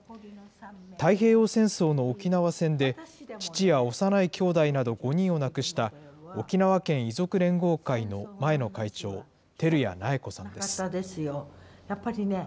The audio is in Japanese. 太平洋戦争の沖縄戦で、父や幼いきょうだいなど５人を亡くした、沖縄県遺族連合会の前の会長、照屋苗子さんです。